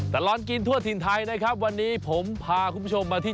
ตลอดกินทั่วถิ่นไทยนะครับวันนี้ผมพาคุณผู้ชมมาที่